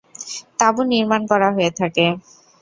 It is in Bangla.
তাঁবু নির্মাণ করা হয়ে থাকে।